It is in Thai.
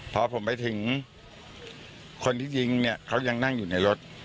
พอผมไปถึงคนที่ยิงเนี่ยเขายังนั่งอยู่ในรถ